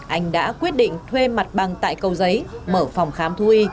anh đã quyết định thuê mặt bằng tại cầu giấy mở phòng khám thu y